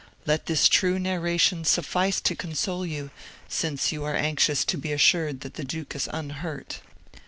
Let this true narration suffice to console you, since you are anxious to be assured that the Duke is unhurt."